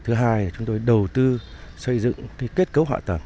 thứ hai chúng tôi đầu tư xây dựng kết cấu họa tầng